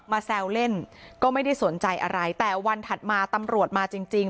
แซวเล่นก็ไม่ได้สนใจอะไรแต่วันถัดมาตำรวจมาจริงจริง